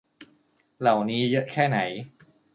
เหล่านี้เยอะแค่ไหน